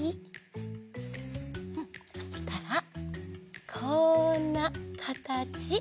うんそしたらこんなかたち。